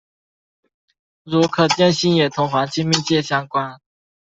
如可见性也同环境密切相关。